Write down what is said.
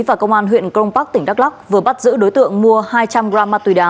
và công an huyện cron park tỉnh đắk lắc vừa bắt giữ đối tượng mua hai trăm linh gram ma túy đá